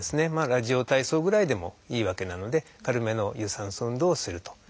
ラジオ体操ぐらいでもいいわけなので軽めの有酸素運動をすると。